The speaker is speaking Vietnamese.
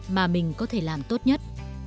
mà mình có thể làm tốt nhất